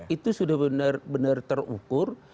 itu sudah benar benar terukur